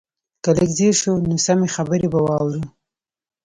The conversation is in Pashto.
که لږ ځير شو نو سمې خبرې به واورو.